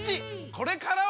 これからは！